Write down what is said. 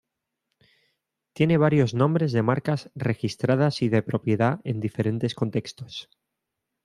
Tiene varios nombres de marcas registradas y de propiedad en diferentes contextos.